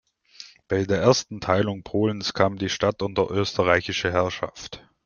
Bei der ersten Teilung Polens kam die Stadt unter österreichische Herrschaft.